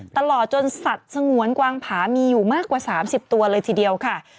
ตลอดจนสัตว์สงวนกวางผามีอยู่มากกว่า๓๐ตัวเลยทีเดียวค่ะ